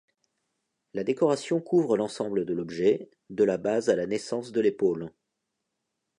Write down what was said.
La décoration couvre l'ensemble de l'objet, de la base à la naissance de l'épaule.